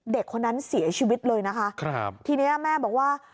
เด็กคนนั้นเสียชีวิตเลยนะคะครับทีนี้แม่บอกว่า